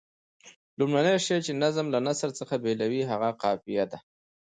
لومړنی شی چې نظم له نثر څخه بېلوي هغه قافیه ده.